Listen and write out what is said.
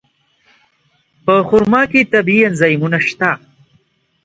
په خرما کې طبیعي انزایمونه شته.